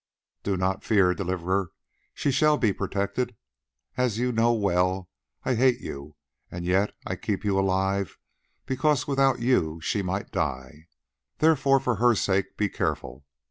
"Do not fear, Deliverer, she shall be protected. As you know well, I hate you, and yet I keep you alive because without you she might die; therefore, for her sake be careful.